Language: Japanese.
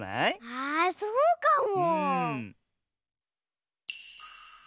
あそうかも！